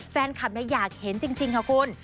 แฟนคลับอยากเห็นจริงค่ะคุณ